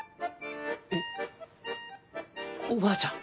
おおばあちゃん？